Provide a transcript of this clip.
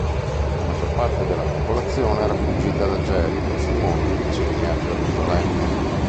La maggior parte della popolazione era fuggita da Gerico sui monti vicini a Gerusalemme.